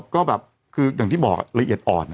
ก็แบบคืออย่างที่บอกละเอียดอ่อน